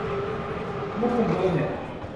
حکومت کمزور ہے۔